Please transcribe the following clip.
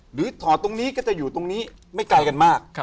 ถอดตรงนี้ก็จะอยู่ตรงนี้ไม่ไกลกันมาก